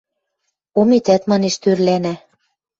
Ометӓт, манеш, тӧрлӓнӓ.